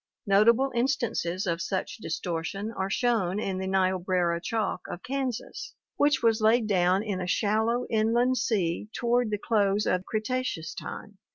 Notable instances of such distortion are shown in the Niobrara chalk of Kansas, which was laid down in a shallow inland sea to ward the close of Cretaceous time.